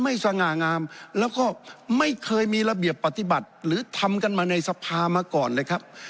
สง่างามแล้วก็ไม่เคยมีระเบียบปฏิบัติหรือทำกันมาในสภามาก่อนเลยครับ